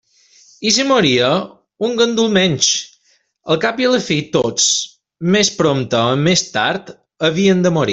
I si moria, un gandul menys; al cap i a la fi, tots, més prompte o més tard, havien de morir.